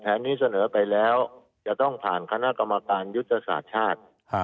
นี้เสนอไปแล้วจะต้องผ่านคณะกรรมการยุทธศาสตร์ชาติ